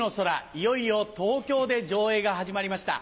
いよいよ東京で上映が始まりました。